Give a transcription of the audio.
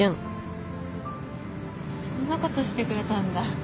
そんなことしてくれたんだ。